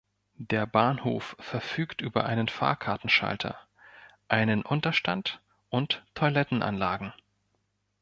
Der Bahnhof verfügt über einen Fahrkartenschalter, einen Unterstand und Toilettenanlagen.